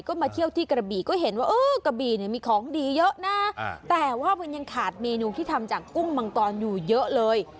ก็มาเที่ยวที่กระบี่ก็เห็นว่าเออกระบี่เนี่ยมีของดีเยอะนะแต่ว่ามันยังขาดเมนูที่ทำจากกุ้งมังกรอยู่เยอะเลย